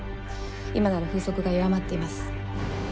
今なら風速が弱まっています。